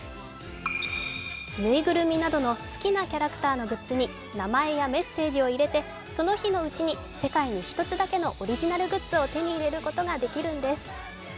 ぬいぐるみなどの好きなキャラクターのグッズに、名前やメッセージを入れてその日のうちに世界に１つだけのオリジナルグッズを手に入れることができるんです。